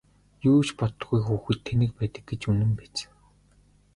Юу ч боддоггүй хүүхэд тэнэг байдаг гэж үнэн биз!